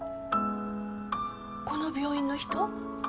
この病院の人？